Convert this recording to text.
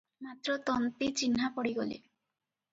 ମାତ୍ର ତନ୍ତୀ ଚିହ୍ନା ପଡ଼ିଗଲେ ।